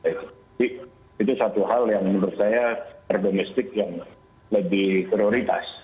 itu satu hal yang menurut saya domestik yang lebih prioritas